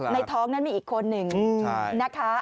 ในท้องนั้นมีอีกคนหนึ่งนะคะ